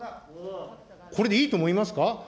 これでいいと思いますか。